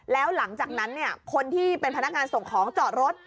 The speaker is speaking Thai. แล้วหลังจากนั้นคนที่เป็นพนักงานส่งของจอดรถ